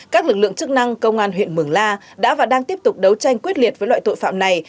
các lực lượng chức năng công an huyện mường la đã và đang tiếp tục đấu tranh quyết liệt với loại tội phạm này